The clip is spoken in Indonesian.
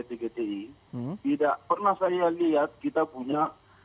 tidak pernah saya lihat kita punya